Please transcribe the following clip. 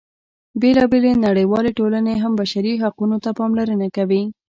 بېلا بېلې نړیوالې ټولنې هم بشري حقونو ته پاملرنه کوي.